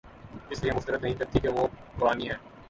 اس لیے مسترد نہیں کرتی کہ وہ پرانی ہے